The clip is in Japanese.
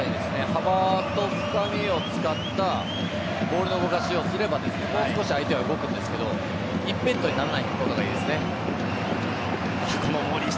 幅と深みを使ったボールの動かしをすればもう少し相手は動くんですが一辺倒にならないことがここの森下